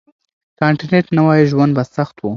که انټرنيټ نه وای ژوند به سخت و.